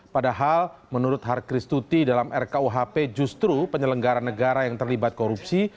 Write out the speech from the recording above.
padahal menurut harkristuti dalam ruu kuhp justru penyelenggaran negara yang terlibat korupsi